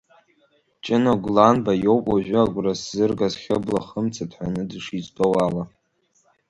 Ҷына Гәланба иоуп уажәы агәра сзыргаз Хьыбла, Хымца дҳәаны дышизтәоу ала.